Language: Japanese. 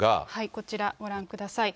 こちらご覧ください。